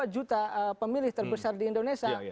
tiga puluh dua juta pemilih terbesar di indonesia